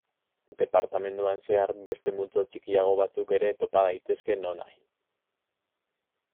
Departamenduan zehar beste multzo txikiago batzuk ere topa daitezke nonahi.